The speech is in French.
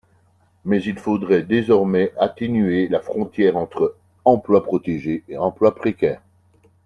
Mais il faudrait désormais atténuer la frontière entre emplois protégés et emplois précaires.